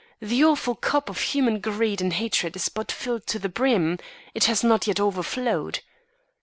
The awful cup of human greed and hatred is but filled to the brim; it has not yet overflowed.